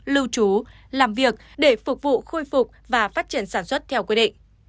lưu trú làm việc để phục vụ khôi phục và phát triển sản xuất theo quy định